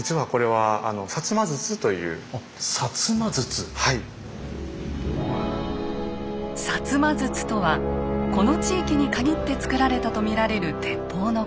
摩筒とはこの地域に限って作られたと見られる鉄砲のこと。